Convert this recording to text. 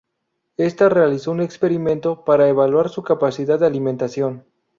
Esta realizó un experimento para evaluar su capacidad de alimentación.